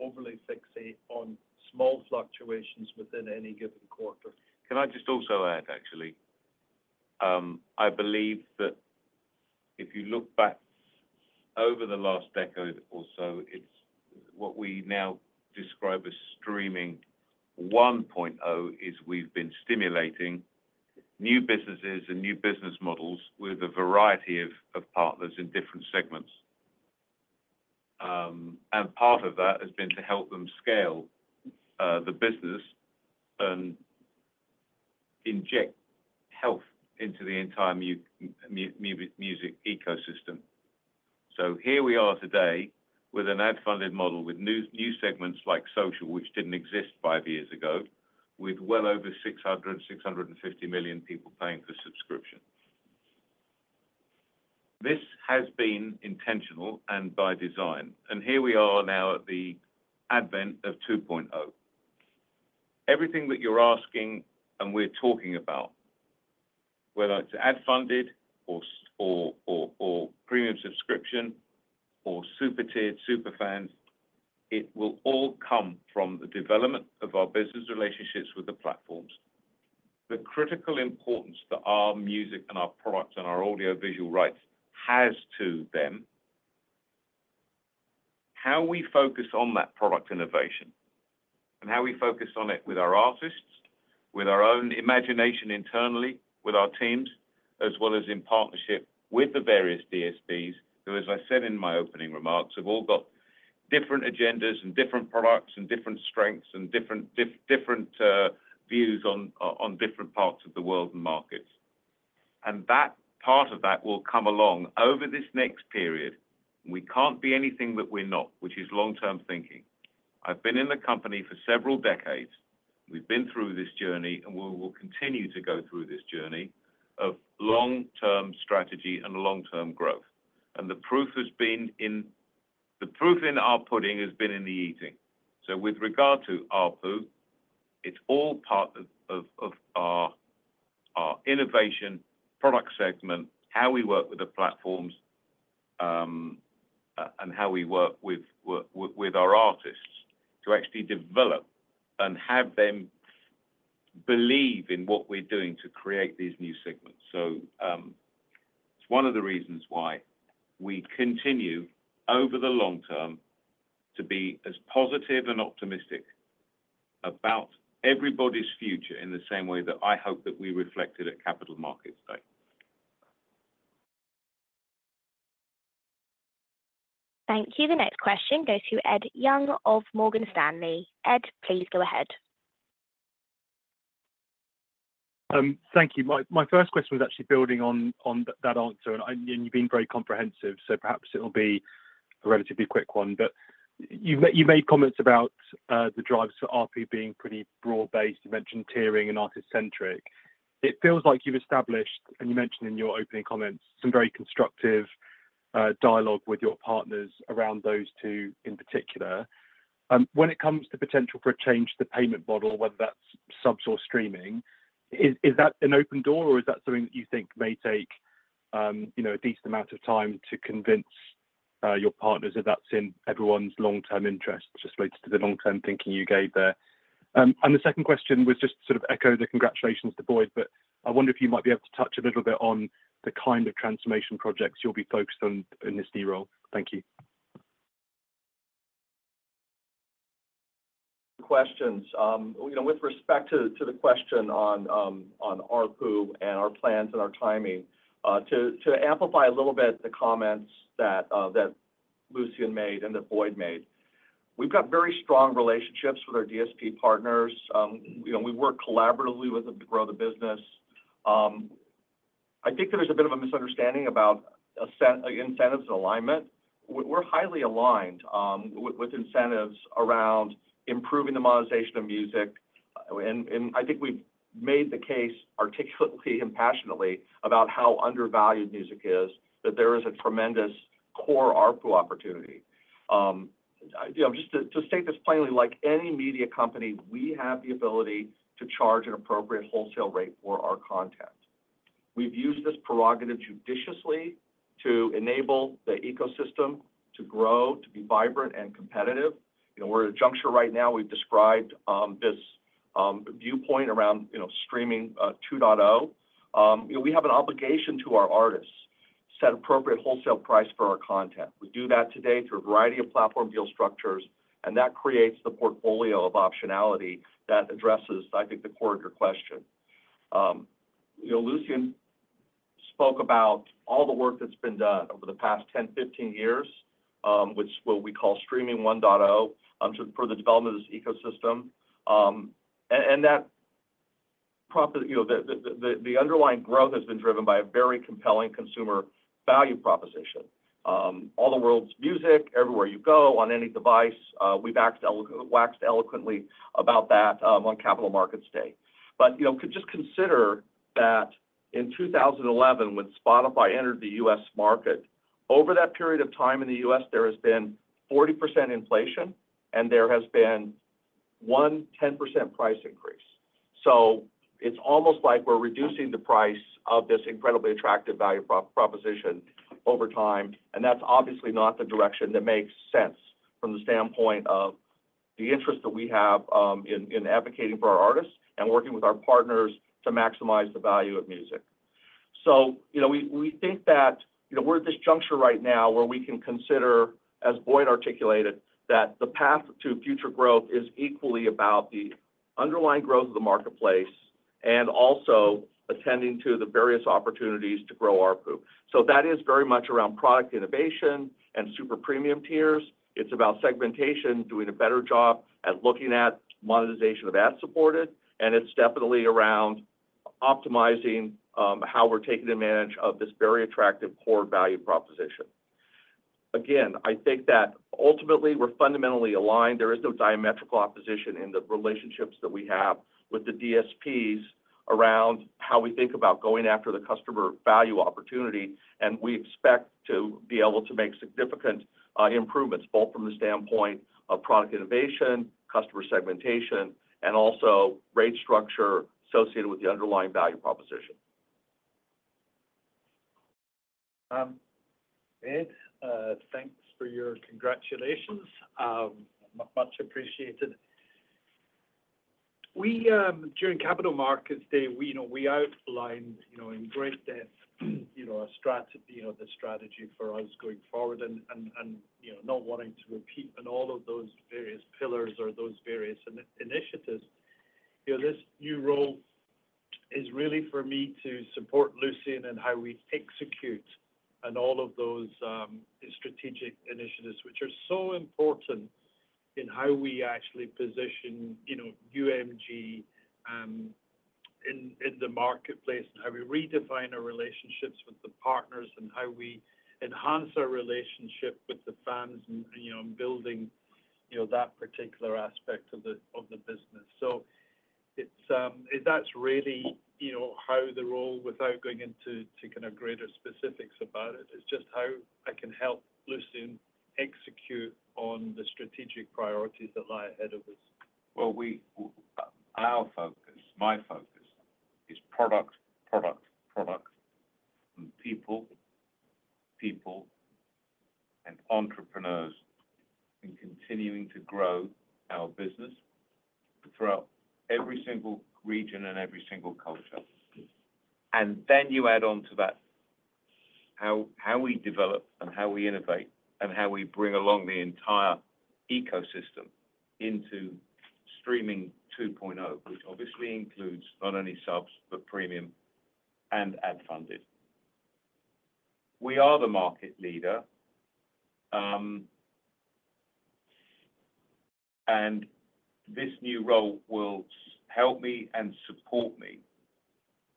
overly fixate on small fluctuations within any given quarter. Can I just also add, actually? I believe that if you look back over the last decade or so, what we now describe as Streaming 1.0 is we've been stimulating new businesses and new business models with a variety of partners in different segments. And part of that has been to help them scale the business and inject health into the entire music ecosystem. So here we are today with an ad-funded model with new segments like social, which didn't exist five years ago, with well over 600-650 million people paying for subscription. This has been intentional and by design. And here we are now at the advent of 2.0. Everything that you're asking and we're talking about, whether it's ad-funded or premium subscription or super tiered, super fans, it will all come from the development of our business relationships with the platforms. The critical importance that our music and our products and our audio-visual rights has to them, how we focus on that product innovation, and how we focus on it with our artists, with our own imagination internally, with our teams, as well as in partnership with the various DSPs who, as I said in my opening remarks, have all got different agendas and different products and different strengths and different views on different parts of the world and markets, and that part of that will come along over this next period. We can't be anything that we're not, which is long-term thinking. I've been in the company for several decades. We've been through this journey, and we will continue to go through this journey of long-term strategy and long-term growth, and the proof has been in the proof in our pudding has been in the eating. So with regard to ARPU, it's all part of our innovation product segment, how we work with the platforms, and how we work with our artists to actually develop and have them believe in what we're doing to create these new segments. So it's one of the reasons why we continue over the long term to be as positive and optimistic about everybody's future in the same way that I hope that we reflected at Capital Markets Day. Thank you. The next question goes to Ed Young of Morgan Stanley. Ed, please go ahead. Thank you. My first question was actually building on that answer, and you've been very comprehensive, so perhaps it'll be a relatively quick one. But you made comments about the drives for ARPU being pretty broad-based. You mentioned tiering and artist-centric. It feels like you've established, and you mentioned in your opening comments, some very constructive dialogue with your partners around those two in particular. When it comes to potential for a change to the payment model, whether that's subs or streaming, is that an open door, or is that something that you think may take a decent amount of time to convince your partners that that's in everyone's long-term interests just related to the long-term thinking you gave there? And the second question was just to sort of echo the congratulations to Boyd, but I wonder if you might be able to touch a little bit on the kind of transformation projects you'll be focused on in this new role. Thank you. Questions. With respect to the question on ARPU and our plans and our timing, to amplify a little bit the comments that Lucian made and that Boyd made, we've got very strong relationships with our DSP partners. We work collaboratively with them to grow the business. I think there's a bit of a misunderstanding about incentives and alignment. We're highly aligned with incentives around improving the monetization of music, and I think we've made the case articulately and passionately about how undervalued music is, that there is a tremendous core ARPU opportunity. Just to state this plainly, like any media company, we have the ability to charge an appropriate wholesale rate for our content. We've used this prerogative judiciously to enable the ecosystem to grow, to be vibrant and competitive. We're at a juncture right now. We've described this viewpoint around Streaming 2.0. We have an obligation to our artists to set appropriate wholesale price for our content. We do that today through a variety of platform deal structures, and that creates the portfolio of optionality that addresses, I think, the core of your question. Lucian spoke about all the work that's been done over the past 10, 15 years with what we call streaming 1.0 for the development of this ecosystem, and the underlying growth has been driven by a very compelling consumer value proposition. All the world's music, everywhere you go, on any device, we've waxed eloquently about that on Capital Markets Day, but just consider that in 2011, when Spotify entered the U.S. market, over that period of time in the U.S., there has been 40% inflation, and there has been one 10% price increase. So it's almost like we're reducing the price of this incredibly attractive value proposition over time. And that's obviously not the direction that makes sense from the standpoint of the interest that we have in advocating for our artists and working with our partners to maximize the value of music. So we think that we're at this juncture right now where we can consider, as Boyd articulated, that the path to future growth is equally about the underlying growth of the marketplace and also attending to the various opportunities to grow ARPU. So that is very much around product innovation and super premium tiers. It's about segmentation, doing a better job at looking at monetization of ad-supported. And it's definitely around optimizing how we're taking advantage of this very attractive core value proposition. Again, I think that ultimately we're fundamentally aligned. There is no diametric opposition in the relationships that we have with the DSPs around how we think about going after the customer value opportunity, and we expect to be able to make significant improvements both from the standpoint of product innovation, customer segmentation, and also rate structure associated with the underlying value proposition. Ed, thanks for your congratulations. Much appreciated. During Capital Markets Day, we outlined in great depth the strategy for us going forward and not wanting to repeat on all of those various pillars or those various initiatives. This new role is really for me to support Lucian in how we execute on all of those strategic initiatives, which are so important in how we actually position UMG in the marketplace, and how we redefine our relationships with the partners, and how we enhance our relationship with the fans and building that particular aspect of the business. So that's really how the role, without going into kind of greater specifics about it, is just how I can help Lucian execute on the strategic priorities that lie ahead of us. Well, my focus is product, product, product, and people, people, and entrepreneurs in continuing to grow our business throughout every single region and every single culture. And then you add on to that how we develop and how we innovate and how we bring along the entire ecosystem into Streaming 2.0, which obviously includes not only subs but premium and ad-funded. We are the market leader, and this new role will help me and support me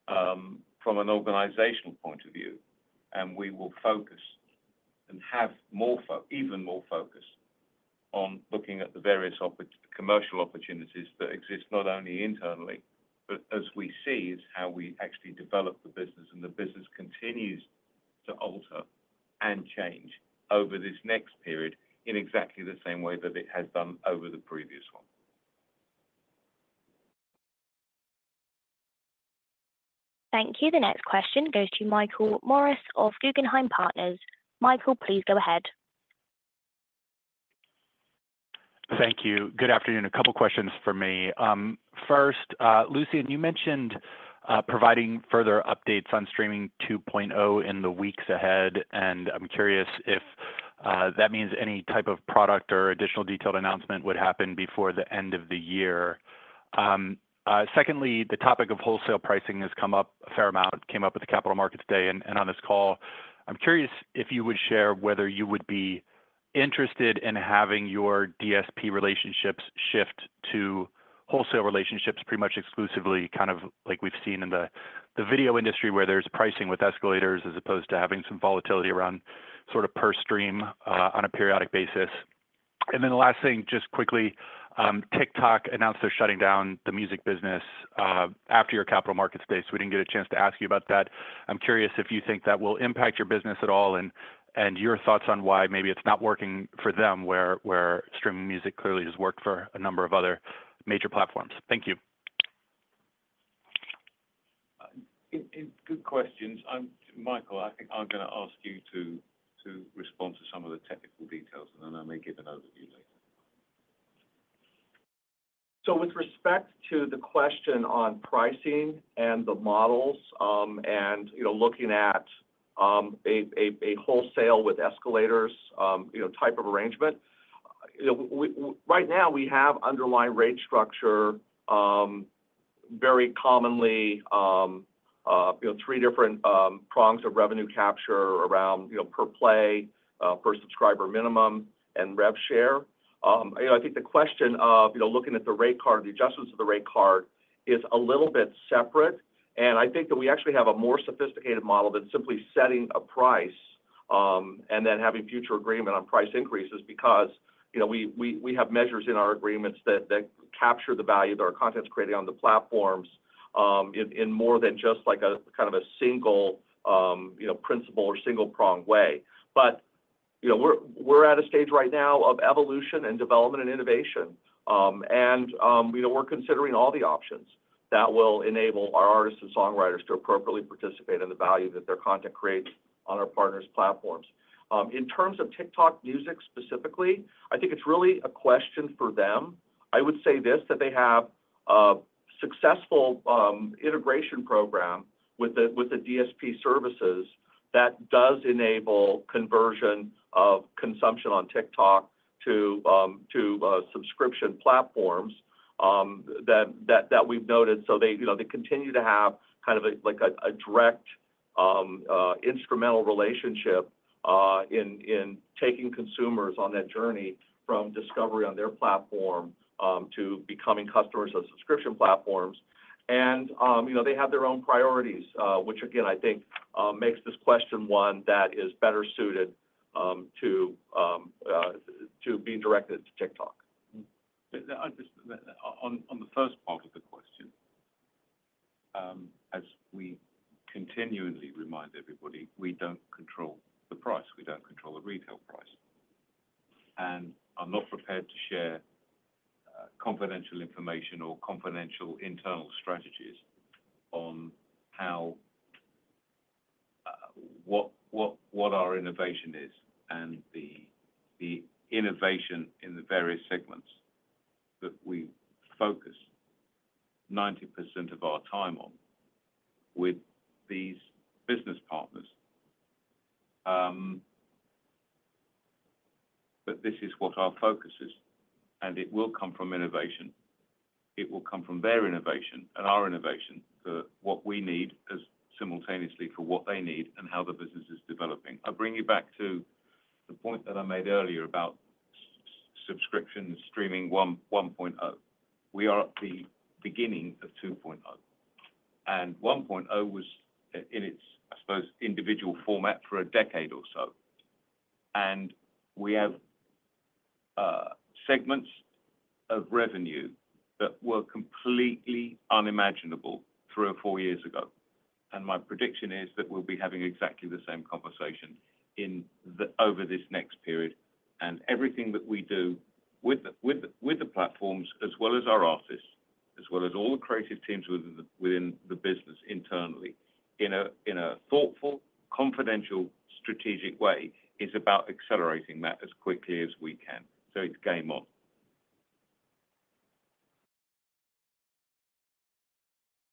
from an organizational point of view. And we will focus and have even more focus on looking at the various commercial opportunities that exist not only internally, but as we see is how we actually develop the business, and the business continues to alter and change over this next period in exactly the same way that it has done over the previous one. Thank you. The next question goes to Michael Morris of Guggenheim Partners. Michael, please go ahead. Thank you. Good afternoon. A couple of questions for me. First, Lucian, you mentioned providing further updates on Streaming 2.0 in the weeks ahead, and I'm curious if that means any type of product or additional detailed announcement would happen before the end of the year. Secondly, the topic of wholesale pricing has come up a fair amount, came up at the Capital Markets Day and on this call. I'm curious if you would share whether you would be interested in having your DSP relationships shift to wholesale relationships pretty much exclusively, kind of like we've seen in the video industry where there's pricing with escalators as opposed to having some volatility around sort of per stream on a periodic basis. And then the last thing, just quickly, TikTok announced they're shutting down the music business after your Capital Markets Day. So we didn't get a chance to ask you about that. I'm curious if you think that will impact your business at all and your thoughts on why maybe it's not working for them where streaming music clearly has worked for a number of other major platforms. Thank you. Good questions. Michael, I think I'm going to ask you to respond to some of the technical details, and then I may give an overview later. So with respect to the question on pricing and the models and looking at a wholesale with escalators type of arrangement, right now we have underlying rate structure, very commonly three different prongs of revenue capture around per play, per subscriber minimum, and rev share. I think the question of looking at the rate card and the adjustments of the rate card is a little bit separate. And I think that we actually have a more sophisticated model than simply setting a price and then having future agreement on price increases because we have measures in our agreements that capture the value that our content's created on the platforms in more than just kind of a single principal or single prong way. But we're at a stage right now of evolution and development and innovation. And we're considering all the options that will enable our artists and songwriters to appropriately participate in the value that their content creates on our partners' platforms. In terms of TikTok Music specifically, I think it's really a question for them. I would say this: that they have a successful integration program with the DSP services that does enable conversion of consumption on TikTok to subscription platforms that we've noted. So they continue to have kind of a direct instrumental relationship in taking consumers on that journey from discovery on their platform to becoming customers of subscription platforms. And they have their own priorities, which again, I think makes this question one that is better suited to be directed to TikTok. On the first part of the question, as we continually remind everybody, we don't control the price. We don't control the retail price. And I'm not prepared to share confidential information or confidential internal strategies on what our innovation is and the innovation in the various segments that we focus 90% of our time on with these business partners. But this is what our focus is. And it will come from innovation. It will come from their innovation and our innovation for what we need as simultaneously for what they need and how the business is developing. I bring you back to the point that I made earlier about subscription streaming 1.0. We are at the beginning of 2.0. And 1.0 was in its, I suppose, individual format for a decade or so. And we have segments of revenue that were completely unimaginable three or four years ago. And my prediction is that we'll be having exactly the same conversation over this next period. And everything that we do with the platforms, as well as our artists, as well as all the creative teams within the business internally, in a thoughtful, confidential, strategic way, is about accelerating that as quickly as we can. So it's game on.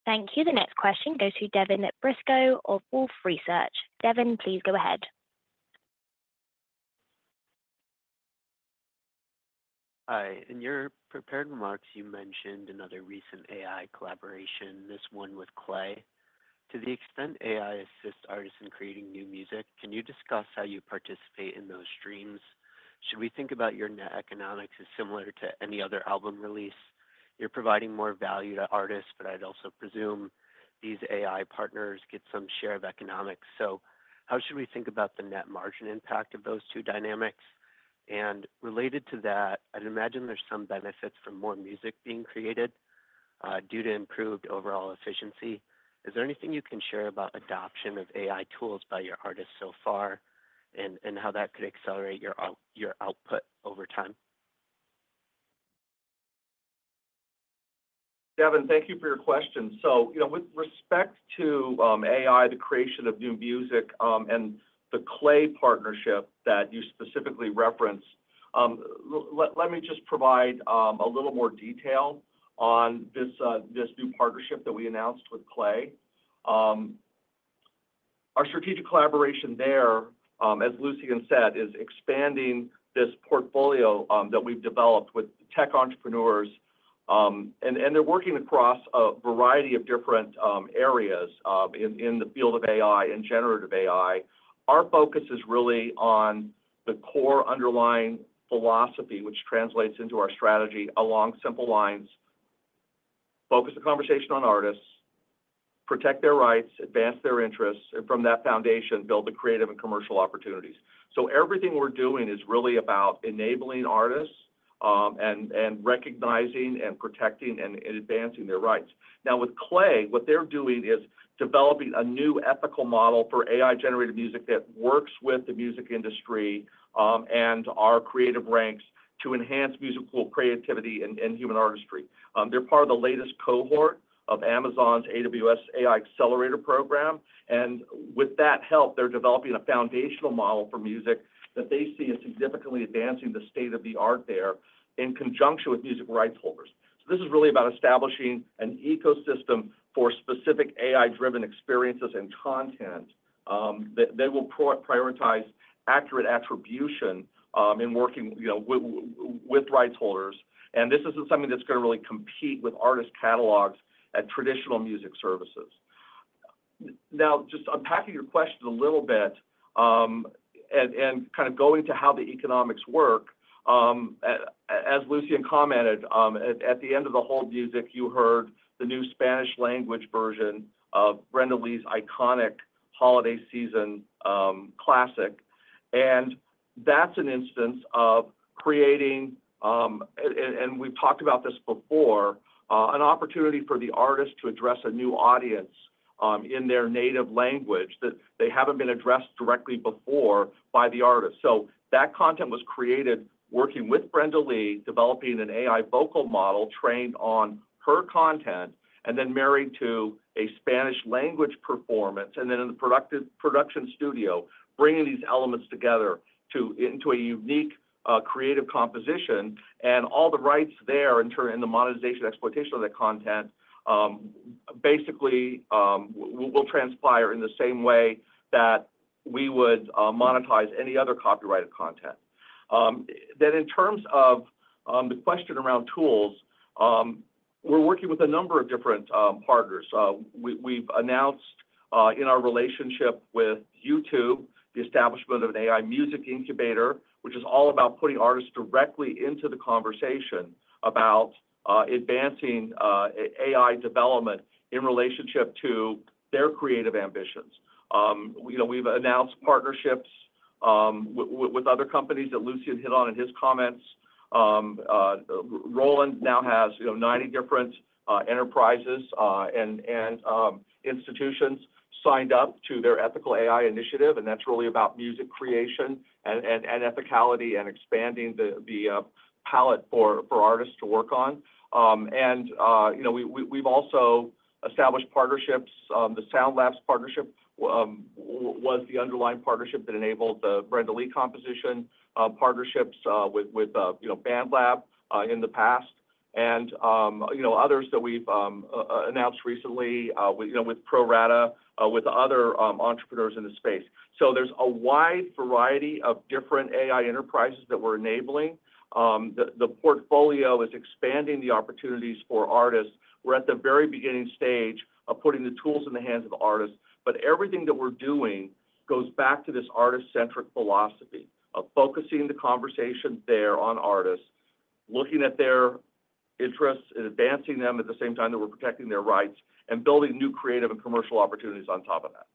Thank you. The next question goes to Devin Brisco of Wolfe Research. Devin, please go ahead. Hi. In your prepared remarks, you mentioned another recent AI collaboration, this one with Klay. To the extent AI assists artists in creating new music, can you discuss how you participate in those streams? Should we think about your net economics as similar to any other album release? You're providing more value to artists, but I'd also presume these AI partners get some share of economics. So how should we think about the net margin impact of those two dynamics? And related to that, I'd imagine there's some benefits from more music being created due to improved overall efficiency. Is there anything you can share about adoption of AI tools by your artists so far and how that could accelerate your output over time? Devin, thank you for your question. So with respect to AI, the creation of new music, and the Klay partnership that you specifically referenced, let me just provide a little more detail on this new partnership that we announced with Klay. Our strategic collaboration there, as Lucian said, is expanding this portfolio that we've developed with tech entrepreneurs. And they're working across a variety of different areas in the field of AI and generative AI. Our focus is really on the core underlying philosophy, which translates into our strategy along simple lines: focus the conversation on artists, protect their rights, advance their interests, and from that foundation, build the creative and commercial opportunities, so everything we're doing is really about enabling artists and recognizing and protecting and advancing their rights. Now, with Klay, what they're doing is developing a new ethical model for AI-generated music that works with the music industry and our creative ranks to enhance musical creativity and human artistry. They're part of the latest cohort of Amazon's AWS AI Accelerator program, and with that help, they're developing a foundational model for music that they see as significantly advancing the state of the art there in conjunction with music rights holders. So this is really about establishing an ecosystem for specific AI-driven experiences and content that will prioritize accurate attribution in working with rights holders. And this isn't something that's going to really compete with artist catalogs at traditional music services. Now, just unpacking your question a little bit and kind of going to how the economics work, as Lucian commented, at the end of the call, you heard the new Spanish language version of Brenda Lee's iconic holiday season classic. And that's an instance of creating, and we've talked about this before, an opportunity for the artist to address a new audience in their native language that they haven't been addressed directly before by the artist. That content was created working with Brenda Lee, developing an AI vocal model trained on her content, and then married to a Spanish language performance, and then in the production studio, bringing these elements together into a unique creative composition. All the rights there in the monetization exploitation of that content basically will transpire in the same way that we would monetize any other copyrighted content. In terms of the question around tools, we're working with a number of different partners. We've announced in our relationship with YouTube the establishment of an AI music incubator, which is all about putting artists directly into the conversation about advancing AI development in relationship to their creative ambitions. We've announced partnerships with other companies that Lucian hit on in his comments. Roland now has 90 different enterprises and institutions signed up to their ethical AI initiative. That's really about music creation and ethicality and expanding the palette for artists to work on. We've also established partnerships. The SoundLabs partnership was the underlying partnership that enabled the Brenda Lee composition partnerships with BandLab in the past and others that we've announced recently with ProRata, with other entrepreneurs in the space. There's a wide variety of different AI enterprises that we're enabling. The portfolio is expanding the opportunities for artists. We're at the very beginning stage of putting the tools in the hands of artists. Everything that we're doing goes back to this artist-centric philosophy of focusing the conversation there on artists, looking at their interests and advancing them at the same time that we're protecting their rights and building new creative and commercial opportunities on top of that.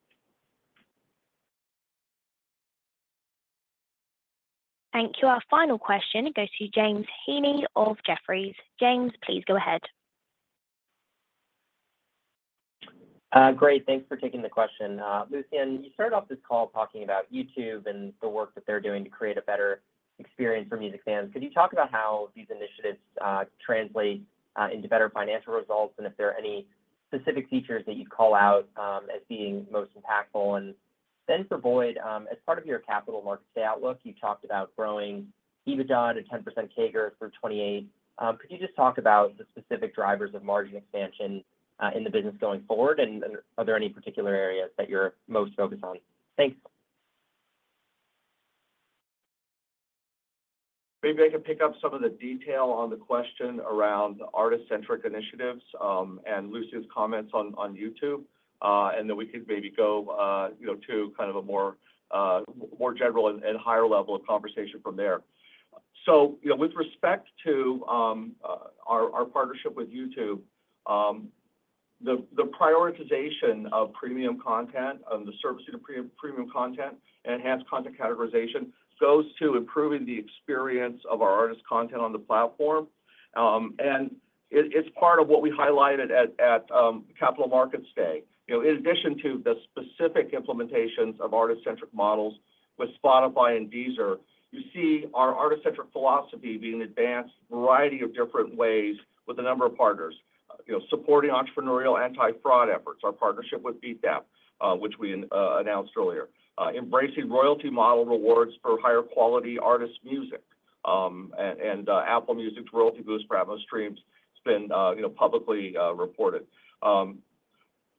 Thank you. Our final question goes to James Heaney of Jefferies. James, please go ahead. Great. Thanks for taking the question. Lucian, you started off this call talking about YouTube and the work that they're doing to create a better experience for music fans. Could you talk about how these initiatives translate into better financial results and if there are any specific features that you'd call out as being most impactful? And then for Boyd, as part of your Capital Markets Day outlook, you talked about growing EBITDA at 10% CAGR through 2028. Could you just talk about the specific drivers of margin expansion in the business going forward? And are there any particular areas that you're most focused on? Thanks. Maybe I can pick up some of the detail on the question around the artist-centric initiatives and Lucian's comments on YouTube, and then we could maybe go to kind of a more general and higher level of conversation from there. With respect to our partnership with YouTube, the prioritization of premium content and the servicing of premium content and enhanced content categorization goes to improving the experience of our artist content on the platform. It's part of what we highlighted at Capital Markets Day. In addition to the specific implementations of artist-centric models with Spotify and Deezer, you see our artist-centric philosophy being advanced in a variety of different ways with a number of partners, supporting entrepreneurial anti-fraud efforts, our partnership with Beatdapp, which we announced earlier, embracing royalty model rewards for higher quality artist music, and Apple Music's royalty boost for Apple streams has been publicly reported.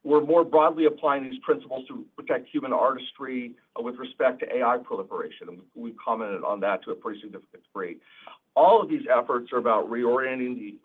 We're more broadly applying these principles to protect human artistry with respect to AI proliferation. We've commented on that to a pretty significant degree. All of these efforts are about reorienting the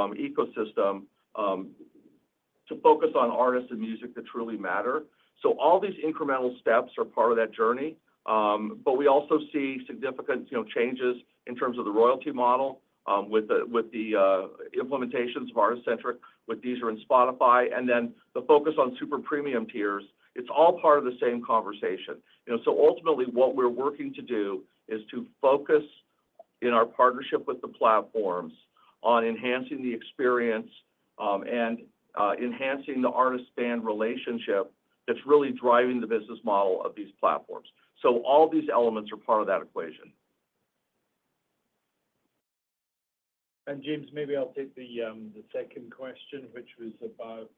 ecosystem to focus on artists and music that truly matter, so all these incremental steps are part of that journey, but we also see significant changes in terms of the royalty model with the implementations of artist-centric with Deezer and Spotify, and then the focus on super premium tiers. It's all part of the same conversation, so ultimately, what we're working to do is to focus in our partnership with the platforms on enhancing the experience and enhancing the artist-fan relationship that's really driving the business model of these platforms, so all these elements are part of that equation. And James, maybe I'll take the second question, which was about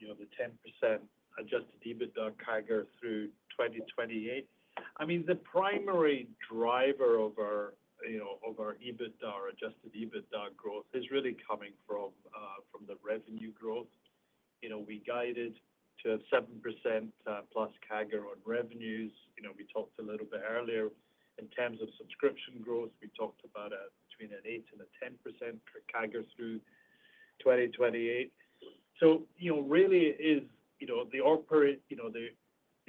the 10% Adjusted EBITDA CAGR through 2028. I mean, the primary driver of our EBITDA or Adjusted EBITDA growth is really coming from the revenue growth. We guided to 7% plus CAGR on revenues. We talked a little bit earlier in terms of subscription growth. We talked about between an 8% and a 10% CAGR through 2028. So really, it is the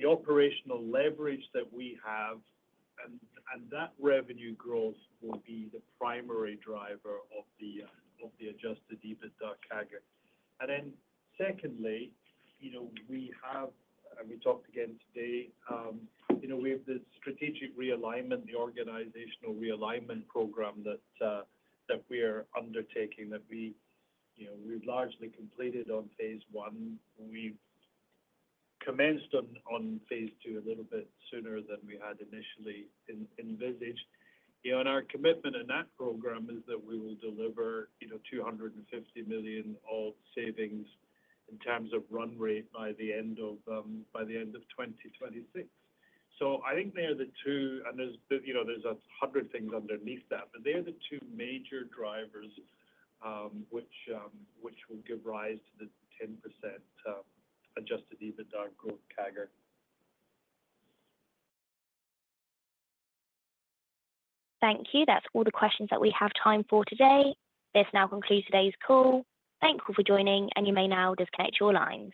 operational leverage that we have, and that revenue growth will be the primary driver of the Adjusted EBITDA CAGR. And then secondly, we have, and we talked again today, we have the strategic realignment, the organizational realignment program that we are undertaking that we've largely completed on phase one. We commenced on phase two a little bit sooner than we had initially envisaged. And our commitment in that program is that we will deliver €250 million of savings in terms of run rate by the end of 2026. So I think they are the two, and there's a hundred things underneath that, but they are the two major drivers which will give rise to the 10% Adjusted EBITDA growth CAGR. Thank you. That's all the questions that we have time for today. This now concludes today's call. Thank you for joining, and you may now disconnect your lines.